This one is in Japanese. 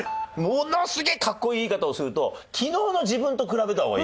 ものすげえかっこいい言い方をすると昨日の自分と比べた方が。